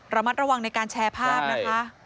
ระมัดระวังในการแชร์ภาพนะคะ